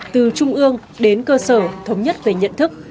từ trung ương đến cơ sở thống nhất về nhận thức